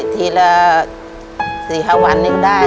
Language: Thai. ทีละสี่ห้าวันก็ได้